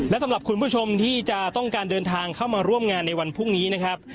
และสำหรับคุณผู้ชมที่จะต้องการเดินทางเข้ามาร่วมงานในวันพรุ่งนี้นะครับ